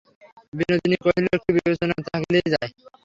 বিনোদিনী কহিল, একটু বিবেচনা থাকিলেই যায়।